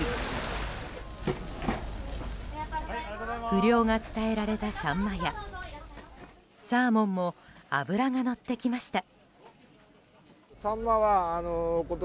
不漁が伝えられたサンマやサーモンも脂がのってきました。